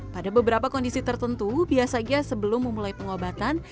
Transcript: pada beberapa kondisi tertentu biasanya sebelum memulai pengobatan